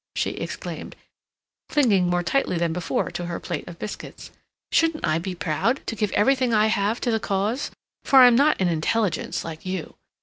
she exclaimed, clinging more tightly than before to her plate of biscuits. "Shouldn't I be proud to give everything I have to the cause?—for I'm not an intelligence like you.